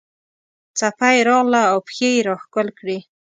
څپه یې راغله او پښې یې راښکل کړې.